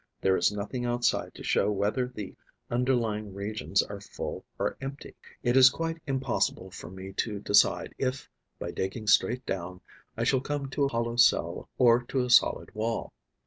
There is nothing outside to show whether the underlying regions are full or empty. It is quite impossible for me to decide if, by digging straight down, I shall come to a hollow cell or to a solid wall.